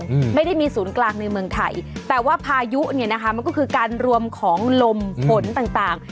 อืมไม่ได้มีศูนย์กลางในเมืองไทยแต่ว่าพายุเนี้ยนะคะมันก็คือการรวมของลมฝนต่างต่าง